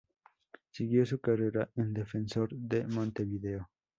Siguió su carrera en Defensor de Montevideo.